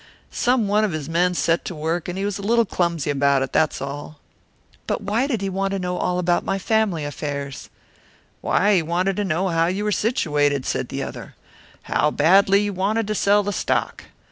Some one of his men set to work, and he was a little clumsy about it that's all." "But why did he want to know about all my family affairs?" "Why, he wanted to know how you were situated," said the other "how badly you wanted to sell the stock.